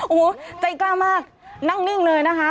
โอ้โหใจกล้ามากนั่งนิ่งเลยนะคะ